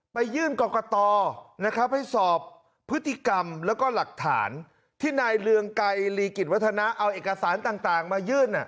ไปยื่นกรกตนะครับให้สอบพฤติกรรมแล้วก็หลักฐานที่นายเรืองไกรลีกิจวัฒนะเอาเอกสารต่างมายื่น